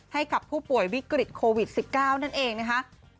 ให้กับผู้ป่วยวิกฤตโควิด๑๙นั่นเองนะคะ